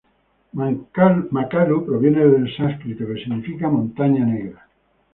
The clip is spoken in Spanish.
Makalu proviene del sánscrito, que significa Montaña Negra.